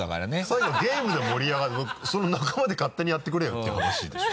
最後はゲームで盛り上がるその仲間で勝手にやってくれよって話でしょ？